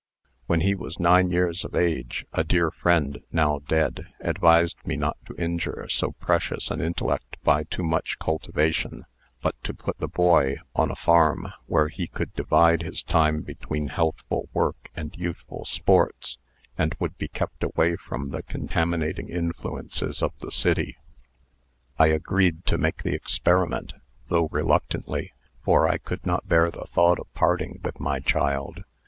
"When he was nine years of age, a dear friend, now dead, advised me not to injure so precocious an intellect by too much cultivation, but to put the boy on a farm, where he could divide his time between healthful work and youthful sports, and would be kept away from the contaminating influences of the city, I agreed to make the experiment, though reluctantly, for I could not bear the thought of parting with my child.